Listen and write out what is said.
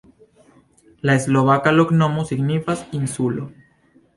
La slovaka loknomo signifas: insulo.